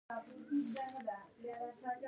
د وینې رنګ او تکبیرونو اوازونه شریک وو.